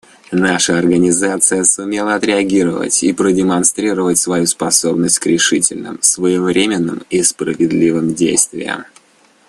Наша Организация сумела отреагировать и продемонстрировать свою способность к решительным, своевременным и справедливым действиям.